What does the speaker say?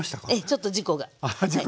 ちょっと事故が。